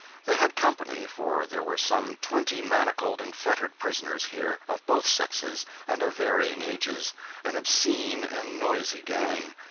They had company, for there were some twenty manacled and fettered prisoners here, of both sexes and of varying ages, an obscene and noisy gang.